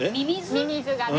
ミミズがね。